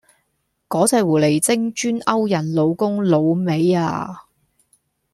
個隻狐狸精專勾人老公老尾呀！